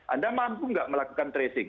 anda mampu nggak melakukan tracing